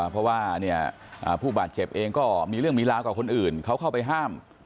เพราะว่าผู้บาดเจ็บเองก็มีเรื่องมีราวกับคนอื่นเขาเข้าไปห้าม